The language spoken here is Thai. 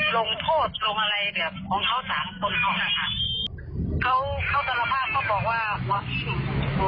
ลงโทษลงอะไรแบบของเขาสารตนของนะครับ